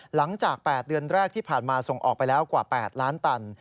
หลังจาก๘เดือนแรกที่ผ่านมาส่งออกไปแล้วกว่า๘ล้านตัน